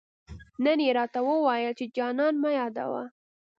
نن يې راته وويل، چي جانان مه يادوه